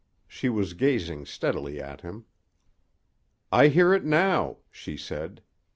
She was gazing steadily at him. "I hear it now," she said.